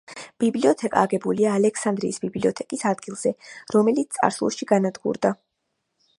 ბიბლიოთეკა აგებულია ალექსანდრიის ბიბლიოთეკის ადგილზე, რომელიც წარსულში განადგურდა.